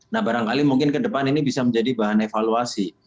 nah barangkali mungkin ke depan ini bisa menjadi bahan evaluasi